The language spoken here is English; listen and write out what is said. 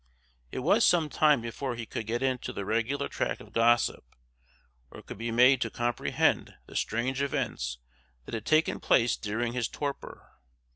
It was some time before he could get into the regular track of gossip, or could be made to comprehend the strange events that had taken place during his torpor.